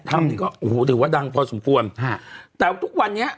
ถ้ำนี้ก็โอ้โหถือว่าดังพอสมควรฮะแต่ทุกวันนี้